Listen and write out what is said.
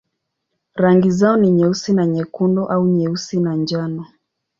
Rangi zao ni nyeusi na nyekundu au nyeusi na njano.